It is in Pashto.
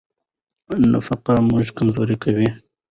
نفاق موږ کمزوري کوي.